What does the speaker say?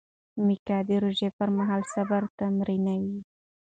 میکا د روژې پر مهال صبر تمرینوي.